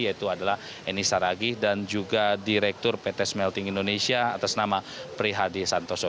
yaitu adalah eni saragih dan juga direktur pt smelting indonesia atas nama prihadi santoso